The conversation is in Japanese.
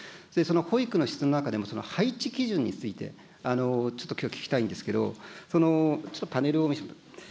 保育の質の中でも配置基準について、ちょっときょうは聞きたいんですけど、ちょっとパネルを見せて。